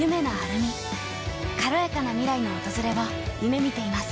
軽やかな未来の訪れを夢みています。